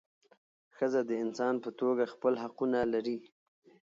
ښځه د انسان په توګه خپل حقونه لري.